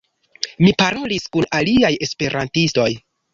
Mi parolis kun aliaj Esperantistoj